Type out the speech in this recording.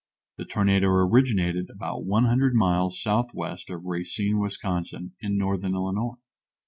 The tornado originated about 100 miles southwest of Racine, Wis., in northern Illinois.